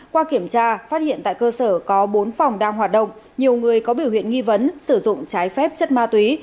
qua kiểm tra phát hiện tại cơ sở có bốn phòng đang hoạt động nhiều người có biểu hiện nghi vấn sử dụng trái phép chất ma túy